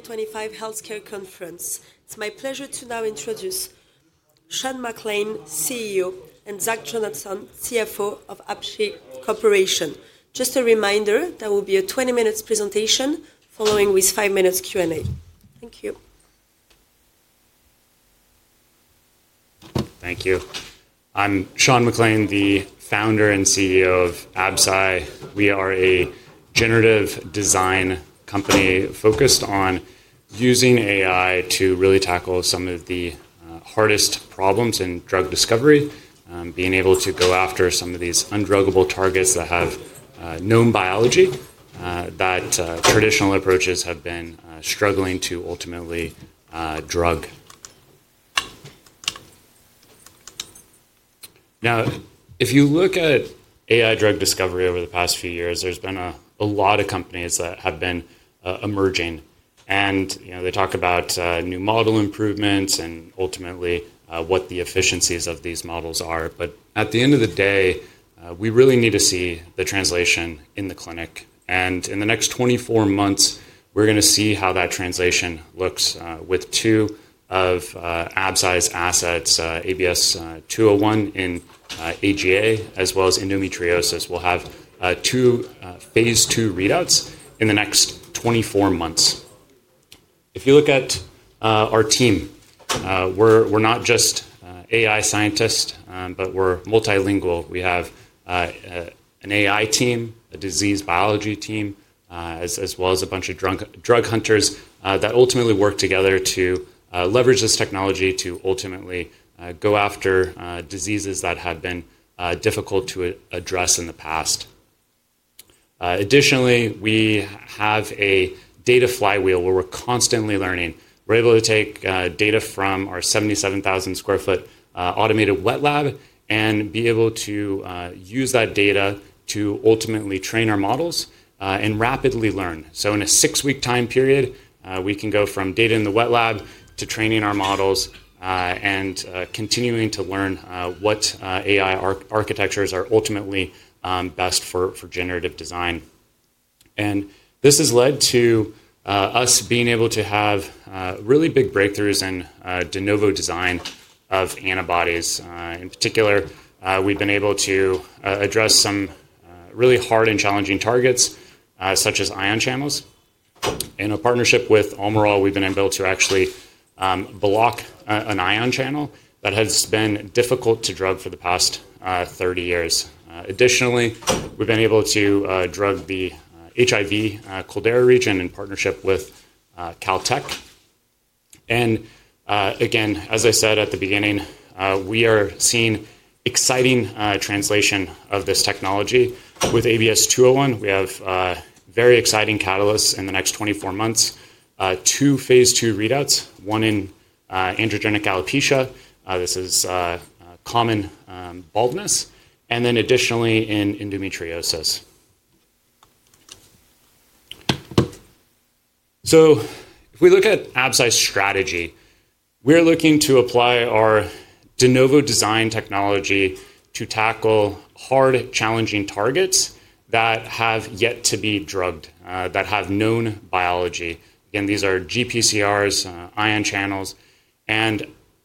2025 Healthcare Conference. It's my pleasure to now introduce Sean McClain, CEO, and Zach Jonasson, CFO of Absci Corporation. Just a reminder, there will be a 20-minute presentation following with a 5-minute Q&A. Thank you. Thank you. I'm Sean McClain, the founder and CEO of Absci. We are a generative design company focused on using AI to really tackle some of the hardest problems in drug discovery, being able to go after some of these undruggable targets that have known biology that traditional approaches have been struggling to ultimately drug. Now, if you look at AI drug discovery over the past few years, there's been a lot of companies that have been emerging, and they talk about new model improvements and ultimately what the efficiencies of these models are. At the end of the day, we really need to see the translation in the clinic. In the next 24 months, we're going to see how that translation looks with two of Absci's assets, ABS-201 in AGA, as well as endometriosis. We'll have two phase two readouts in the next 24 months. If you look at our team, we're not just AI scientists, but we're multilingual. We have an AI team, a disease biology team, as well as a bunch of drug hunters that ultimately work together to leverage this technology to ultimately go after diseases that have been difficult to address in the past. Additionally, we have a data flywheel where we're constantly learning. We're able to take data from our 77,000 sq ft automated wet lab and be able to use that data to ultimately train our models and rapidly learn. In a six-week time period, we can go from data in the wet lab to training our models and continuing to learn what AI architectures are ultimately best for generative design. This has led to us being able to have really big breakthroughs in de novo design of antibodies. In particular, we've been able to address some really hard and challenging targets, such as ion channels. In a partnership with Almirall, we've been able to actually block an ion channel that has been difficult to drug for the past 30 years. Additionally, we've been able to drug the HIV capsid region in partnership with Caltech. As I said at the beginning, we are seeing exciting translation of this technology. With ABS-201, we have very exciting catalysts in the next 24 months: two phase two readouts, one in androgenic alopecia, this is common baldness, and then additionally in endometriosis. If we look at Absci's strategy, we're looking to apply our de novo design technology to tackle hard, challenging targets that have yet to be drugged, that have known biology. These are GPCRs, ion channels.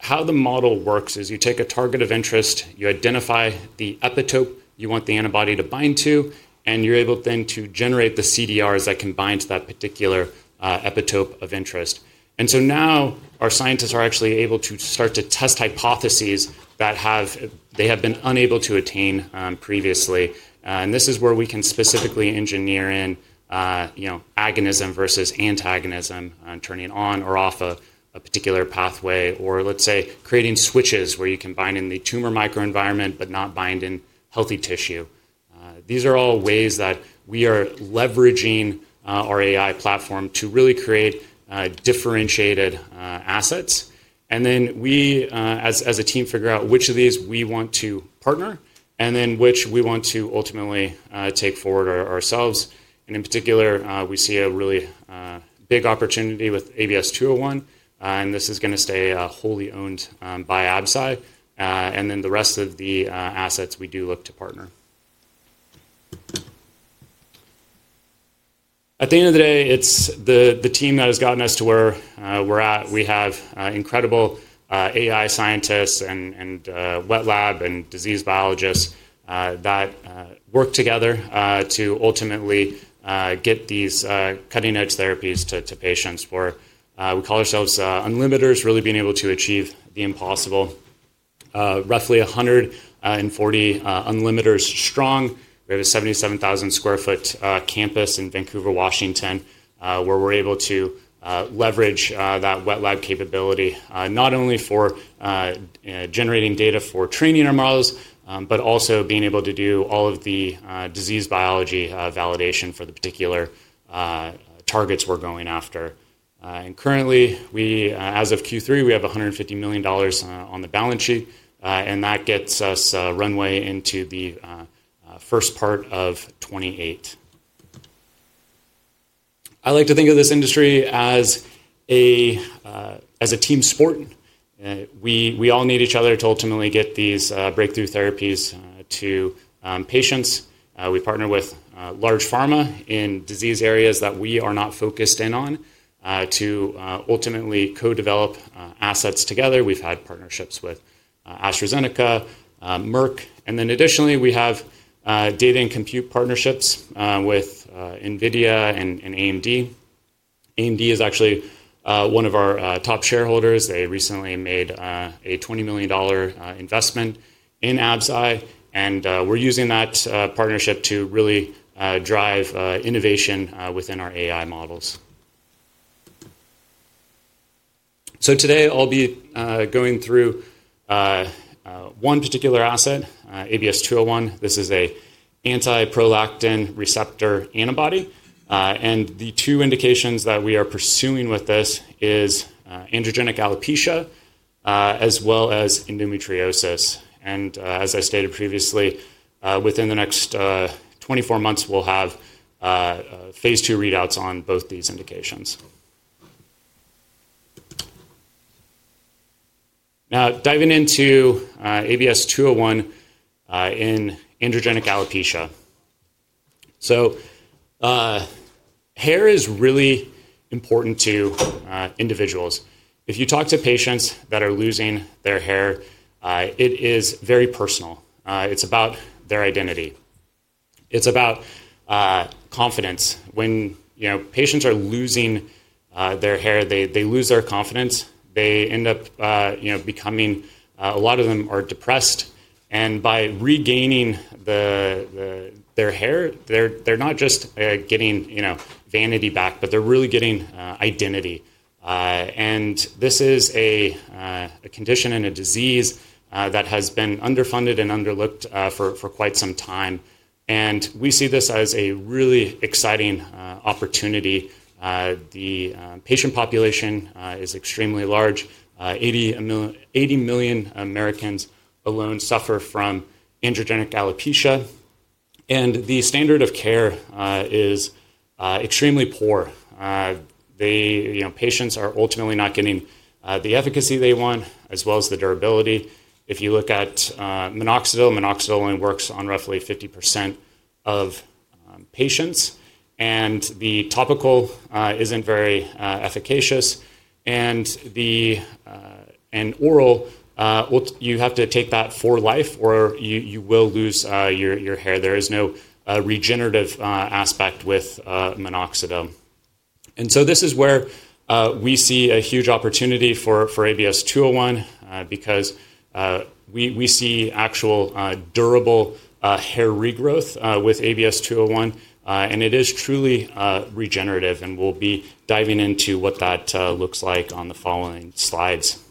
How the model works is you take a target of interest, you identify the epitope you want the antibody to bind to, and you're able then to generate the CDRs that can bind to that particular epitope of interest. Now our scientists are actually able to start to test hypotheses that they have been unable to attain previously. This is where we can specifically engineer in agonism versus antagonism, turning on or off a particular pathway, or let's say creating switches where you can bind in the tumor microenvironment but not bind in healthy tissue. These are all ways that we are leveraging our AI platform to really create differentiated assets. We, as a team, figure out which of these we want to partner and then which we want to ultimately take forward ourselves. In particular, we see a really big opportunity with ABS-201, and this is going to stay wholly owned by Absci. The rest of the assets we do look to partner. At the end of the day, it's the team that has gotten us to where we're at. We have incredible AI scientists and wet lab and disease biologists that work together to ultimately get these cutting-edge therapies to patients. We call ourselves Unlimiters, really being able to achieve the impossible. Roughly 140 Unlimiters strong. We have a 77,000 sq ft campus in Vancouver, Washington, where we're able to leverage that wet lab capability not only for generating data for training our models, but also being able to do all of the disease biology validation for the particular targets we're going after. Currently, as of Q3, we have $150 million on the balance sheet, and that gets us runway into the first part of 2028. I like to think of this industry as a team sport. We all need each other to ultimately get these breakthrough therapies to patients. We partner with large pharma in disease areas that we are not focused in on to ultimately co-develop assets together. We've had partnerships with AstraZeneca, Merck, and then additionally, we have data and compute partnerships with NVIDIA and AMD. AMD is actually one of our top shareholders. They recently made a $20 million investment in Absci, and we're using that partnership to really drive innovation within our AI models. Today, I'll be going through one particular asset, ABS-201. This is an anti-prolactin receptor antibody. The two indications that we are pursuing with this are androgenic alopecia as well as endometriosis. As I stated previously, within the next 24 months, we'll have phase two readouts on both these indications. Now, diving into ABS-201 in androgenic alopecia. Hair is really important to individuals. If you talk to patients that are losing their hair, it is very personal. It's about their identity. It's about confidence. When patients are losing their hair, they lose their confidence. They end up becoming, a lot of them are depressed. By regaining their hair, they're not just getting vanity back, but they're really getting identity. This is a condition and a disease that has been underfunded and underlooked for quite some time. We see this as a really exciting opportunity. The patient population is extremely large. 80 million Americans alone suffer from androgenic alopecia. The standard of care is extremely poor. Patients are ultimately not getting the efficacy they want as well as the durability. If you look at minoxidil, minoxidil only works on roughly 50% of patients. The topical is not very efficacious. Oral, you have to take that for life or you will lose your hair. There is no regenerative aspect with minoxidil. This is where we see a huge opportunity for ABS-201 because we see actual durable hair regrowth with ABS-201. It is truly regenerative. We will be diving into what that looks like on the following slides.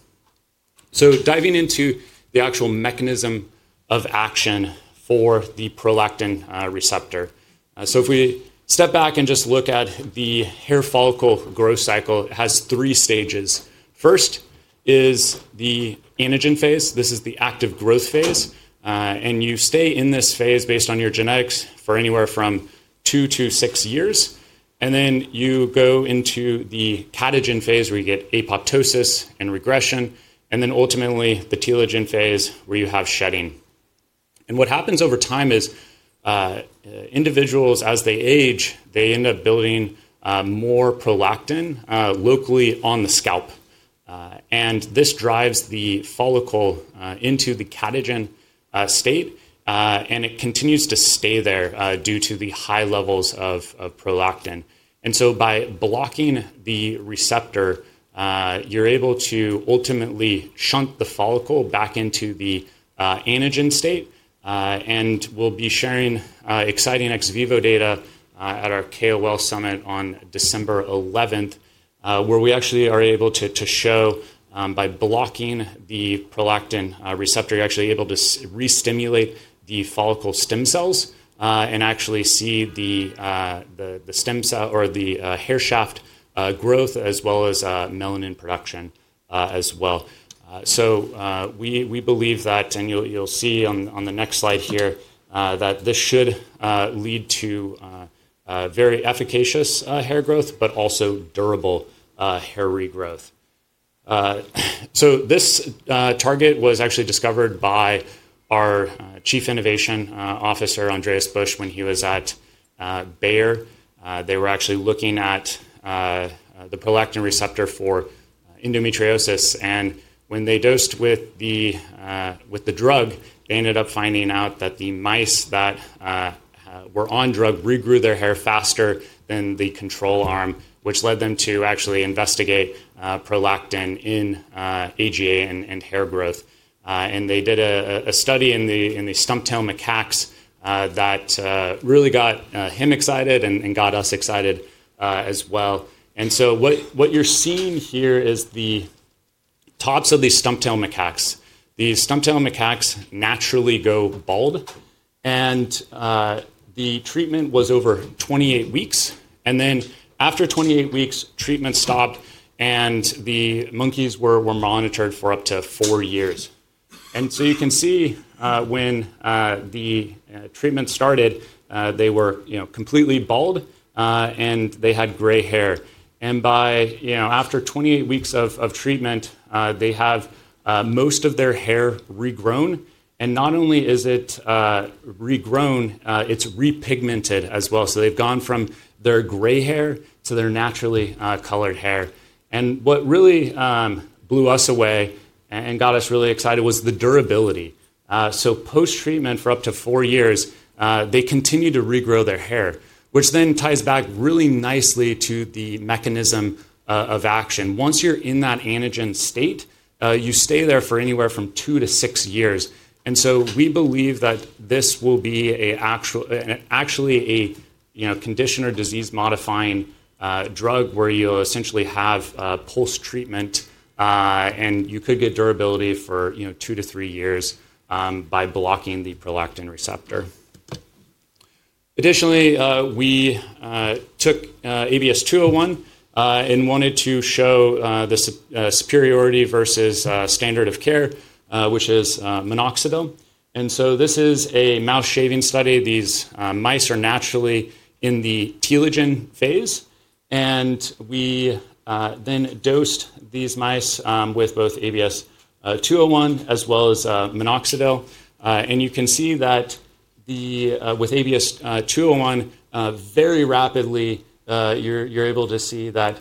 Diving into the actual mechanism of action for the prolactin receptor, if we step back and just look at the hair follicle growth cycle, it has three stages. First is the anagen phase. This is the active growth phase. You stay in this phase based on your genetics for anywhere from two to six years. You go into the catagen phase where you get apoptosis and regression. Ultimately, the telogen phase is where you have shedding. What happens over time is individuals, as they age, end up building more prolactin locally on the scalp. This drives the follicle into the catagen state. It continues to stay there due to the high levels of prolactin. By blocking the receptor, you're able to ultimately shunt the follicle back into the anagen state. We will be sharing exciting ex vivo data at our KOL Summit on December 11, where we actually are able to show by blocking the prolactin receptor, you are actually able to restimulate the follicle stem cells and actually see the hair shaft growth as well as melanin production as well. We believe that, and you will see on the next slide here, that this should lead to very efficacious hair growth, but also durable hair regrowth. This target was actually discovered by our Chief Innovation Officer, Andreas Busch, when he was at Bayer. They were actually looking at the prolactin receptor for endometriosis. When they dosed with the drug, they ended up finding out that the mice that were on drug regrew their hair faster than the control arm, which led them to actually investigate prolactin in AGA and hair growth. They did a study in the stumptail macaques that really got him excited and got us excited as well. What you are seeing here is the tops of these stumptail macaques. The stumptail macaques naturally go bald. The treatment was over 28 weeks. After 28 weeks, treatment stopped, and the monkeys were monitored for up to four years. You can see when the treatment started, they were completely bald, and they had gray hair. After 28 weeks of treatment, they have most of their hair regrown. Not only is it regrown, it is repigmented as well. They have gone from their gray hair to their naturally colored hair. What really blew us away and got us really excited was the durability. Post-treatment for up to four years, they continue to regrow their hair, which then ties back really nicely to the mechanism of action. Once you're in that anagen state, you stay there for anywhere from two to six years. We believe that this will be actually a condition or disease-modifying drug where you'll essentially have post-treatment, and you could get durability for two to three years by blocking the prolactin receptor. Additionally, we took ABS-201 and wanted to show the superiority versus standard of care, which is minoxidil. This is a mouse shaving study. These mice are naturally in the telogen phase. We then dosed these mice with both ABS-201 as well as minoxidil. You can see that with ABS-201, very rapidly, you're able to see that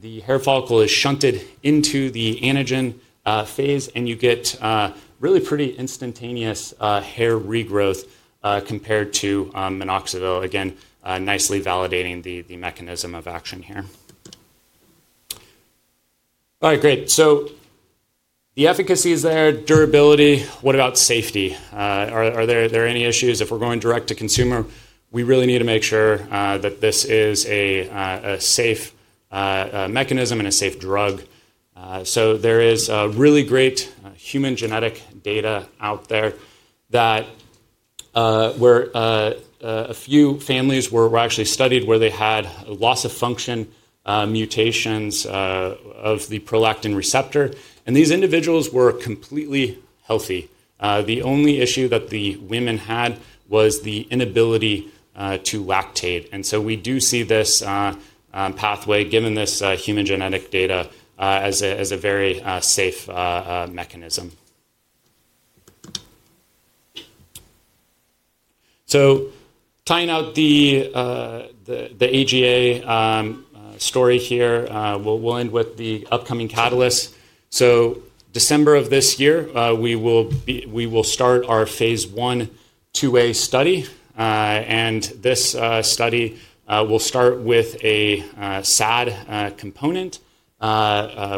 the hair follicle is shunted into the anagen phase, and you get really pretty instantaneous hair regrowth compared to minoxidil. Again, nicely validating the mechanism of action here. All right, great. The efficacy is there, durability. What about safety? Are there any issues? If we're going direct to consumer, we really need to make sure that this is a safe mechanism and a safe drug. There is really great human genetic data out there where a few families were actually studied where they had loss of function mutations of the prolactin receptor. These individuals were completely healthy. The only issue that the women had was the inability to lactate. We do see this pathway, given this human genetic data, as a very safe mechanism. Tying out the AGA story here, we'll end with the upcoming catalyst. December of this year, we will start our phase one two-way study. This study will start with a SAD component,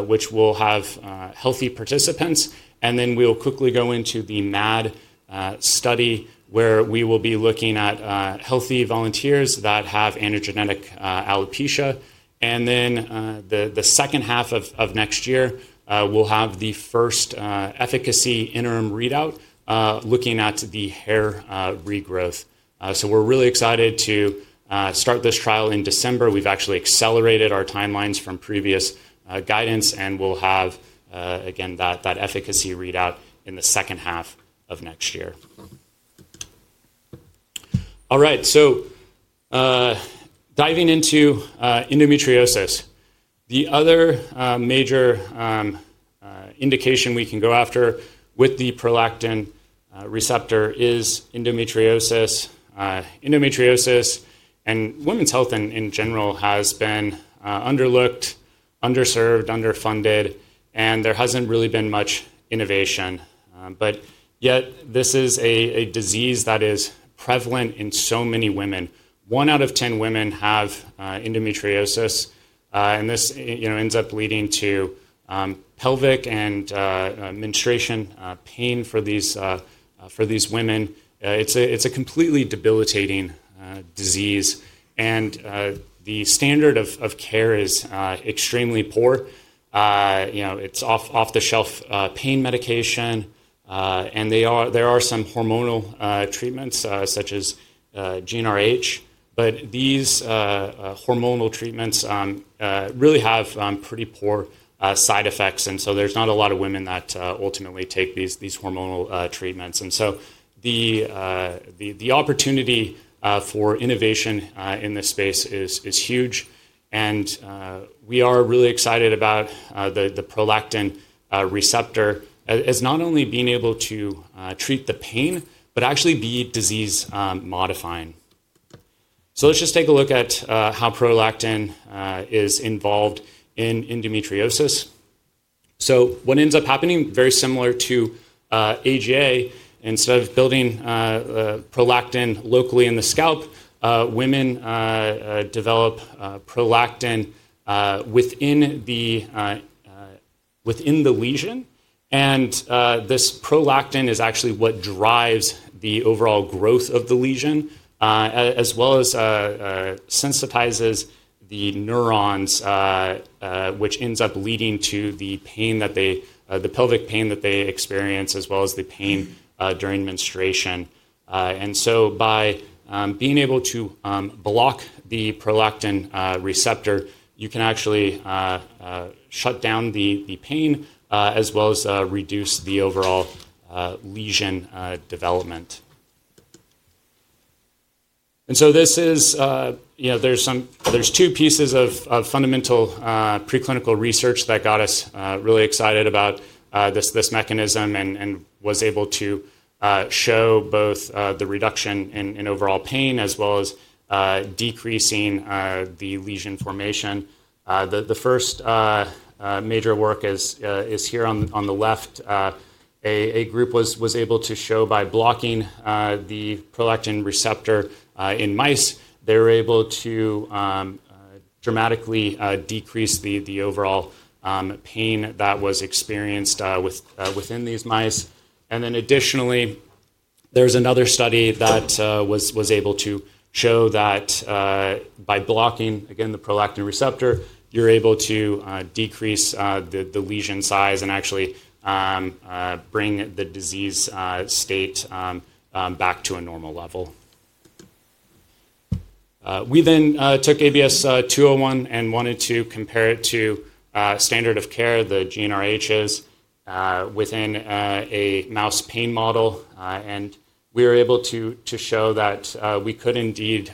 which will have healthy participants. Then we'll quickly go into the MAD study where we will be looking at healthy volunteers that have androgenic alopecia. The second half of next year, we'll have the first efficacy interim readout looking at the hair regrowth. We're really excited to start this trial in December. We've actually accelerated our timelines from previous guidance, and we'll have, again, that efficacy readout in the second half of next year. All right, diving into endometriosis. The other major indication we can go after with the prolactin receptor is endometriosis. Endometriosis and women's health in general has been underlooked, underserved, underfunded, and there has not really been much innovation. Yet, this is a disease that is prevalent in so many women. One out of ten women have endometriosis. This ends up leading to pelvic and menstruation pain for these women. It is a completely debilitating disease. The standard of care is extremely poor. It is off-the-shelf pain medication. There are some hormonal treatments such as GnRH. These hormonal treatments really have pretty poor side effects. There are not a lot of women that ultimately take these hormonal treatments. The opportunity for innovation in this space is huge. We are really excited about the prolactin receptor as not only being able to treat the pain, but actually be disease-modifying. Let us just take a look at how prolactin is involved in endometriosis. What ends up happening, very similar to AGA, instead of building prolactin locally in the scalp, women develop prolactin within the lesion. This prolactin is actually what drives the overall growth of the lesion as well as sensitizes the neurons, which ends up leading to the pain, the pelvic pain that they experience as well as the pain during menstruation. By being able to block the prolactin receptor, you can actually shut down the pain as well as reduce the overall lesion development. There are two pieces of fundamental preclinical research that got us really excited about this mechanism and were able to show both the reduction in overall pain as well as decreasing the lesion formation. The first major work is here on the left. A group was able to show by blocking the prolactin receptor in mice, they were able to dramatically decrease the overall pain that was experienced within these mice. Additionally, there's another study that was able to show that by blocking, again, the prolactin receptor, you're able to decrease the lesion size and actually bring the disease state back to a normal level. We then took ABS-201 and wanted to compare it to standard of care, the GnRHs, within a mouse pain model. We were able to show that we could indeed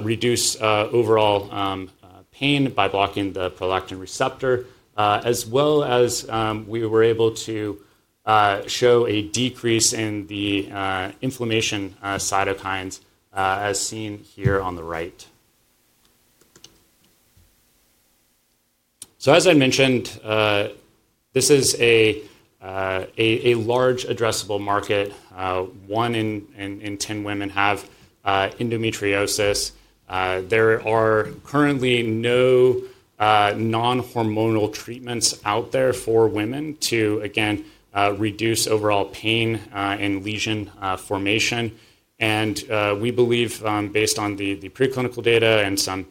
reduce overall pain by blocking the prolactin receptor, as well as we were able to show a decrease in the inflammation cytokines as seen here on the right. As I mentioned, this is a large addressable market. One in ten women have endometriosis. There are currently no non-hormonal treatments out there for women to, again, reduce overall pain and lesion formation. We believe, based on the preclinical data and some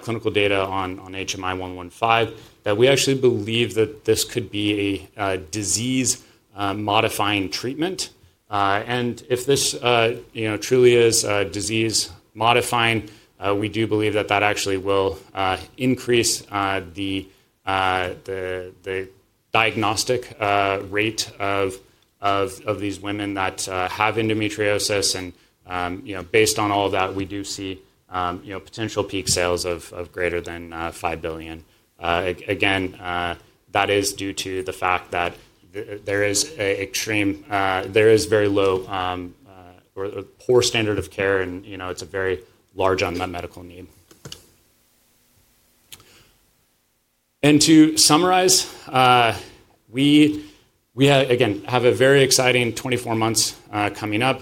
clinical data on HMI-115, that we actually believe that this could be a disease-modifying treatment. If this truly is disease-modifying, we do believe that that actually will increase the diagnostic rate of these women that have endometriosis. Based on all of that, we do see potential peak sales of greater than $5 billion. That is due to the fact that there is very low or poor standard of care, and it's a very large unmet medical need. To summarize, we again have a very exciting 24 months coming up.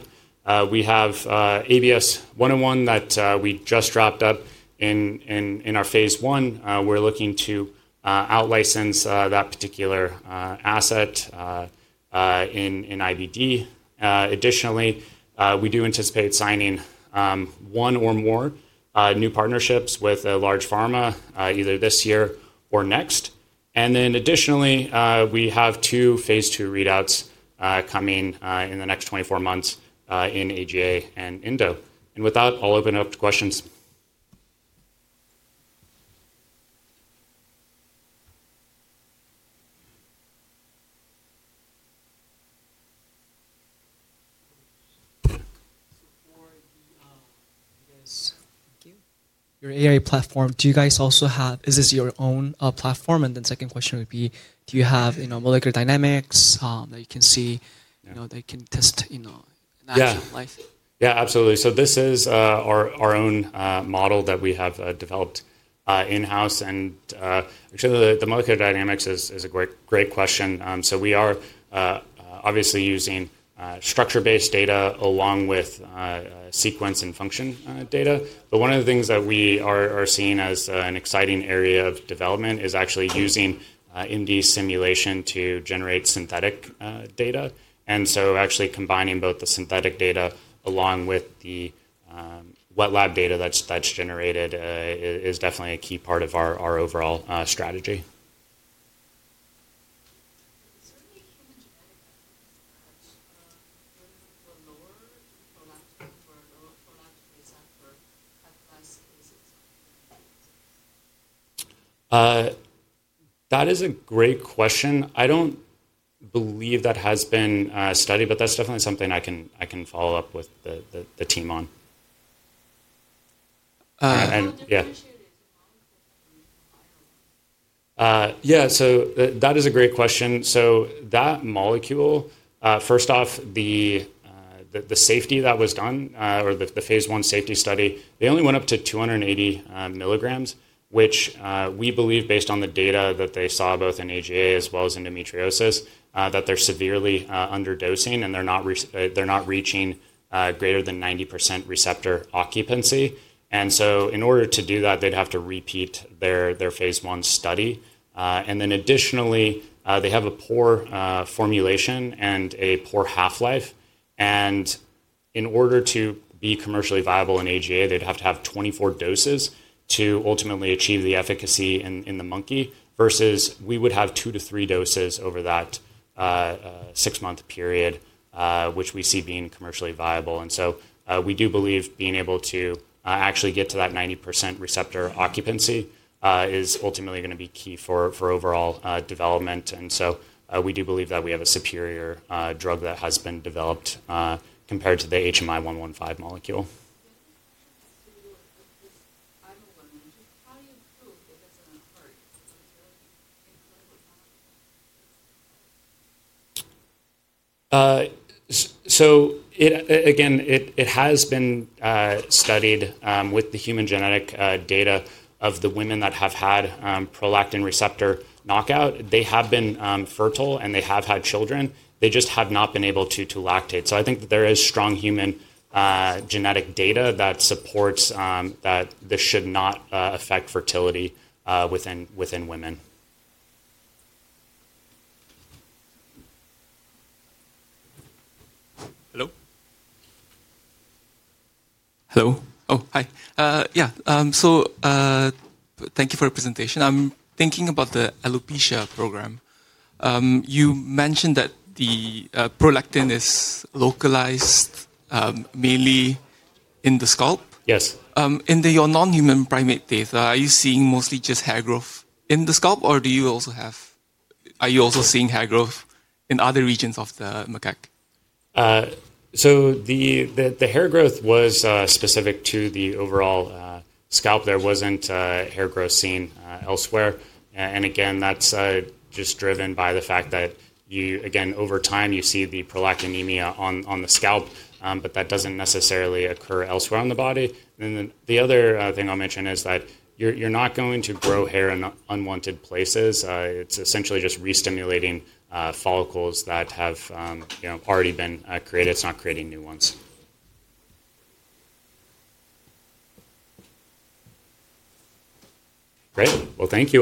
We have ABS-101 that we just dropped up in our phase one. We're looking to out-license that particular asset in IBD. Additionally, we do anticipate signing one or more new partnerships with a large pharma either this year or next. Additionally, we have two phase two readouts coming in the next 24 months in AGA and Indo. With that, I'll open it up to questions. Your AI platform, do you guys also have, is this your own platform? Second question would be, do you have molecular dynamics that you can see, that you can test in actual life? Yeah, absolutely. This is our own model that we have developed in-house. Actually, the molecular dynamics is a great question. We are obviously using structure-based data along with sequence and function data. One of the things that we are seeing as an exciting area of development is actually using MD simulation to generate synthetic data. Actually, combining both the synthetic data along with the wet lab data that's generated is definitely a key part of our overall strategy. Certainly, human genetic repairs, whether for lower prolactin or lower prolactin receptor, have less basic cytokines? That is a great question. I don't believe that has been studied, but that's definitely something I can follow up with the team on. Yeah, that is a great question. That molecule, first off, the safety that was done or the phase I safety study, they only went up to 280 milligrams, which we believe, based on the data that they saw both in AGA as well as endometriosis, that they're severely underdosing and they're not reaching greater than 90% receptor occupancy. In order to do that, they'd have to repeat their phase I study. Additionally, they have a poor formulation and a poor half-life. In order to be commercially viable in AGA, they'd have to have 24 doses to ultimately achieve the efficacy in the monkey versus we would have two to three doses over that six-month period, which we see being commercially viable. We do believe being able to actually get to that 90% receptor occupancy is ultimately going to be key for overall development. We do believe that we have a superior drug that has been developed compared to the HMI-115 molecule. I'm a woman. Just how do you prove that this isn't a party? It's really incredible talent. Again, it has been studied with the human genetic data of the women that have had prolactin receptor knockout. They have been fertile and they have had children. They just have not been able to lactate. I think that there is strong human genetic data that supports that this should not affect fertility within women. Hello? Hello. Oh, hi. Yeah. Thank you for your presentation. I'm thinking about the alopecia program. You mentioned that the prolactin is localized mainly in the scalp. Yes. In your non-human primate data, are you seeing mostly just hair growth in the scalp, or are you also seeing hair growth in other regions of the macaque? The hair growth was specific to the overall scalp. There was not hair growth seen elsewhere. Again, that is just driven by the fact that, over time, you see the prolactinemia on the scalp, but that does not necessarily occur elsewhere on the body. The other thing I will mention is that you are not going to grow hair in unwanted places. It's essentially just restimulating follicles that have already been created. It's not creating new ones. Great. Thank you.